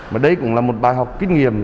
và đây cũng là một bài học kinh nghiệm